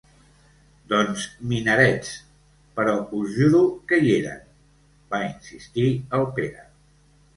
Doncs minarets, però us juro que hi eren —va insistir el Pere.